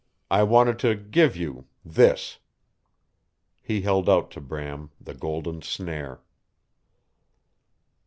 I wanted to give you this." He held out to Bram the golden snare.